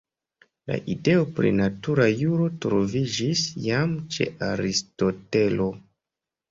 La ideo pri natura juro troviĝis jam ĉe Aristotelo.